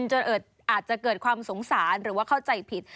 จนอาจจะเกิดความสงสารหรือว่าเข้าใจผิด